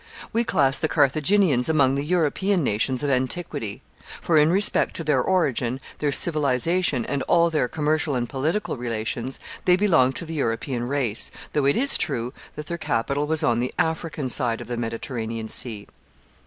We class the Carthaginians among the European nations of antiquity; for, in respect to their origin, their civilization, and all their commercial and political relations, they belonged to the European race, though it is true that their capital was on the African side of the Mediterranean Sea.